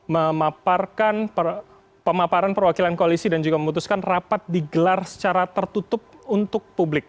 memaparkan pemaparan perwakilan koalisi dan juga memutuskan rapat digelar secara tertutup untuk publik